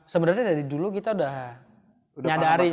sebenarnya dari dulu kita udah nyadari